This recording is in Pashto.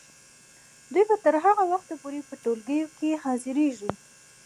دوی به تر هغه وخته پورې په ټولګیو کې حاضریږي.